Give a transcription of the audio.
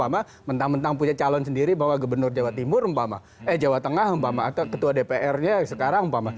mentang mentang punya calon sendiri bahwa gubernur jawa tengah atau ketua dprnya sekarang